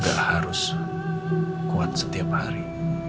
kita harus kuat setiap hari